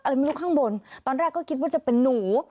ไม่รู้ข้างบนตอนแรกก็คิดว่าจะเป็นหนู